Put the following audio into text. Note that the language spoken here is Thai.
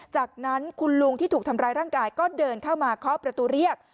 จากนั้นคุณลุงที่ถูกทำร้ายร่างกายก็เดินเข้ามาเคาะประตูเรียก